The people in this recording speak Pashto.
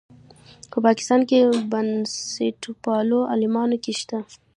په پاکستان په بنسټپالو عالمانو کې شته.